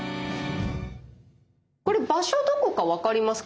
これ場所どこか分かりますか？